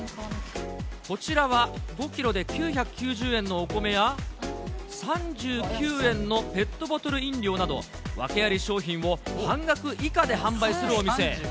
こちらは５キロで９９０円のお米や、３９円のペットボトル飲料など、訳あり商品を半額以下で販売するお店。